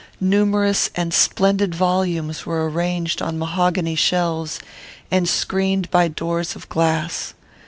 Numerous and splendid volumes were arranged on mahogany shelves, and screened by doors of glass.